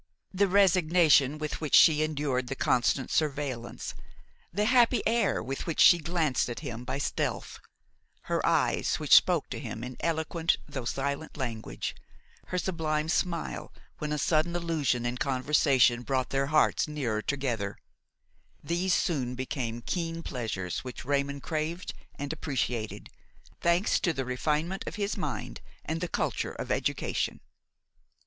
The resignation with which she endured the constant surveillance, the happy air with which she glanced at him by stealth, her eyes which spoke to him in eloquent though silent language, her sublime smile when a sudden allusion in conversation brought their hearts nearer together–these soon became keen pleasures which Raymon craved and appreciated, thanks to the refinement of his mind and the culture of education.